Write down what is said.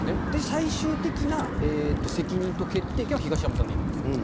最終的な責任と決定権は東山さんでいいと思うんですよ。